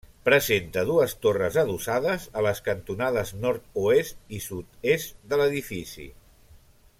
Presenta dues torres adossades a les cantonades nord-oest i sud-est de l'edifici.